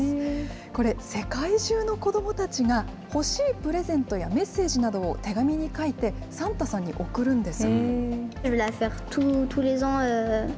これ、世界中の子どもたちが欲しいプレゼントやメッセージなどを手紙に書いて、サンタさんに送るんです。